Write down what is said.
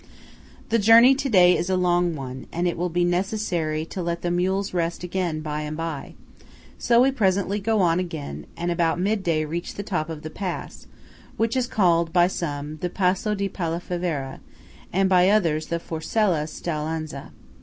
The journey to day is a long one, and it will be necessary to let the mules rest again by and by; so we presently go on again, and at about midday reach the top of the pass, which is called by some the Passo di Pallafavera, and by others the Forcella Staulanza.